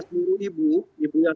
satu poin yang penting